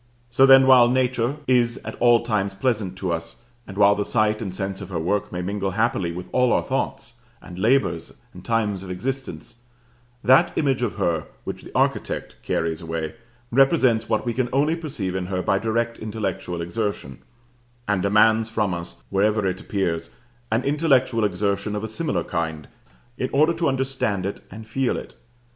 So then while Nature is at all times pleasant to us, and while the sight and sense of her work may mingle happily with all our thoughts, and labors, and times of existence, that image of her which the architect carries away represents what we can only perceive in her by direct intellectual exertion, and demands from us, wherever it appears, an intellectual exertion of a similar kind in order to understand it and feel it.